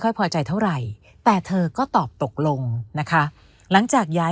พอใจเท่าไหร่แต่เธอก็ตอบตกลงนะคะหลังจากย้าย